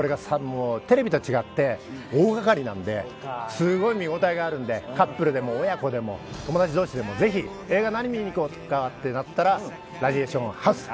テレビと違って大がかりなのですごい見応えがあるのでカップルでも親子でも友達同士でも映画、何見に行こうかってなったら「ラジエーションハウス」。